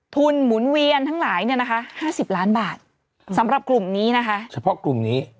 หมุนเวียนทั้งหลายเนี่ยนะคะ๕๐ล้านบาทสำหรับกลุ่มนี้นะคะเฉพาะกลุ่มนี้